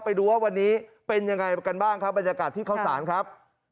ไปดูว่าวันนี้เป็นยังไงกันบ้างครับบรรยากาศที่เข้าสารครับ